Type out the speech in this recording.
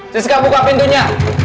siska buka pintunya